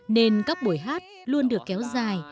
nên các buổi hát luôn được kéo dài